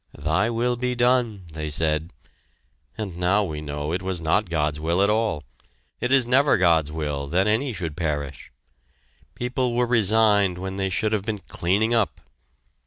"Thy will be done," they said, and now we know it was not God's will at all. It is never God's will that any should perish! People were resigned when they should have been cleaning up!